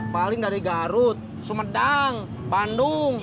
paling dari garut sumedang bandung